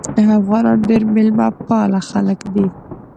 افغانان ډیر میلمه پاله خلک دي.